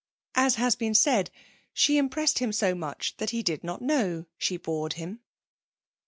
As has been said, she impressed him so much that he did not know she bored him.